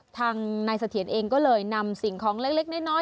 ทางนายเสถียรเองก็เลยนำสิ่งของเล็กน้อย